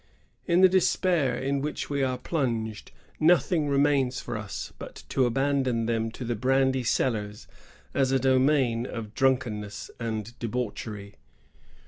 ••• In the despair in which we are plnnged, nothing remains for us but to abandon them to the brandy sellers as a domain of drunken ness and debauchery."